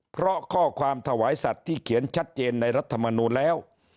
เพราะข้อความถวายสัตว์ที่เขียนชัดเจนในรัฐมนูลแล้ว